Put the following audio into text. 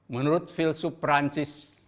menurut filsuf perancis